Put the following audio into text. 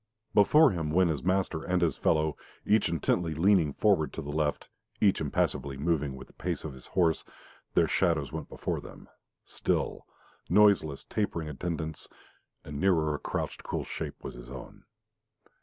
Before him went his master and his fellow, each intently leaning forward to the left, each impassively moving with the paces of his horse; their shadows went before them still, noiseless, tapering attendants; and nearer a crouched cool shape was his own.